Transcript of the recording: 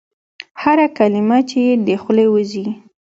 هره کلمه چي یې د خولې وزي ؟